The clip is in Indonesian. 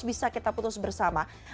bisa kita putus bersama